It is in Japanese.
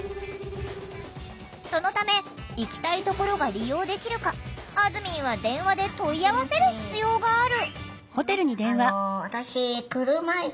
そのため行きたいところが利用できるかあずみんは電話で問い合わせる必要がある！